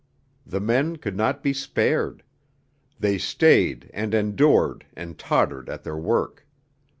The men could not be spared; they stayed and endured and tottered at their work.